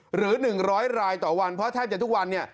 หรือ๑๐๐รายต่อวันเพราะแทบจะทุกวันเนี่ย